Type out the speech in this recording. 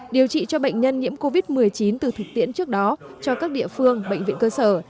điều trị cho bệnh nhân nhiễm covid một mươi chín từ thực tiễn trước đó cho các địa phương bệnh viện cơ sở